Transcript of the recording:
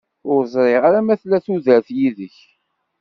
Ur ẓriɣ ara ma tella tudert yid-k.